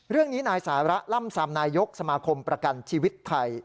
เรื่องนี้นายสาระล่ำซำนายกสมาคมประกันชีวิตไทย